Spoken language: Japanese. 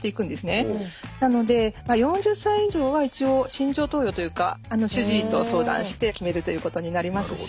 なので４０歳以上は一応慎重投与というか主治医と相談して決めるということになりますし。